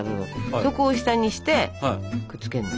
そこを下にしてくっつけるの。